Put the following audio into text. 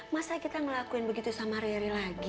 masa kita ngelakuin begitu sama rery lagi